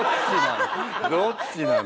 どっちなの？